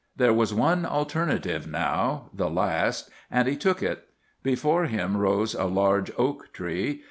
There was one alternative now—the last, and he took it. Before him rose a large oak tree.